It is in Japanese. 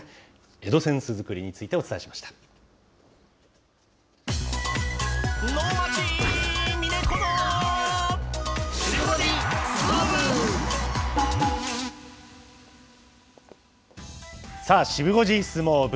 江戸扇子作りについてお伝え能町みね子のシブ５時相撲部。